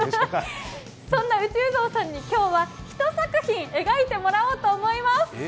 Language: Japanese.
そんな内生蔵さんに今日は、一作品描いてもらおうと思います。